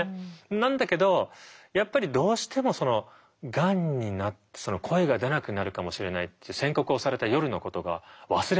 なんだけどやっぱりどうしてもそのがんになって声が出なくなるかもしれないって宣告をされた夜のことが忘れられなくて。